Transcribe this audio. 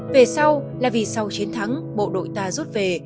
về sau là vì sau chiến thắng bộ đội ta rút về